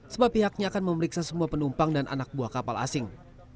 sebab pihaknya akan memeriksa semua penumpang dan anak buah kapal asing